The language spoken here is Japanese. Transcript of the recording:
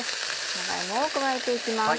長芋を加えて行きます。